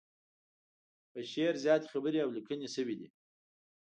په شعر زياتې خبرې او ليکنې شوي دي.